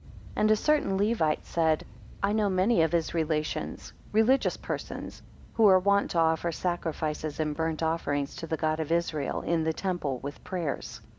2 And a certain Levite said, I know many of his relations, religions persons, who are wont to offer sacrifices and burnt offerings to the God of Israel, in the temple, with prayers.